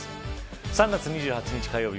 ３月２８日火曜日